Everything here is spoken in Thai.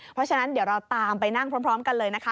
เพราะฉะนั้นเดี๋ยวเราตามไปนั่งพร้อมกันเลยนะคะ